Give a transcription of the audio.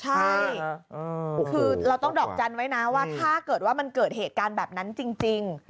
ใช่คือเราต้องดอกจันไว้ว่าถ้าเกิดเหตุการณ์แบบนั้นจริง